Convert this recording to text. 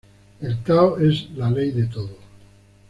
El tao es la ley de todo.